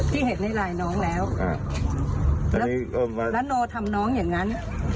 ที่เห็นในไลน์น้องแล้วแล้วโนทำน้องอย่างนั้น